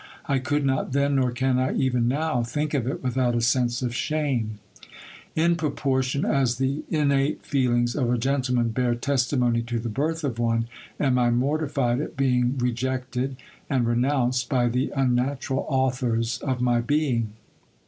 I could not then, nor can I even now, think of it without a sense of shame. In proportion as the innate feelings of a gentleman bear testimony to the birth of one, am I mortified at being re jected and renounced by the unnatural authors of my being.